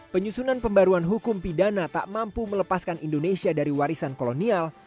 penyusunan pembaruan hukum pidana tak mampu melepaskan indonesia dari warisan kolonial